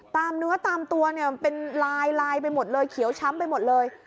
ตามเนื้อตามตัวเนี่ยเป็นลายลายไปหมดเลยเขียวช้ำไปหมดเลย